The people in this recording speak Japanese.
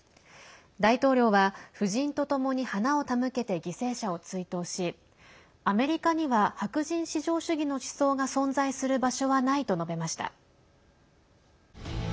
大統領は夫人とともに花を手向けて犠牲者を追悼しアメリカには、白人至上主義の思想が存在する場所はないと述べました。